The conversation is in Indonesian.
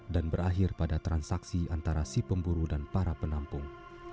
dan berakhir pada transaksi antara si pemburu dan para penampung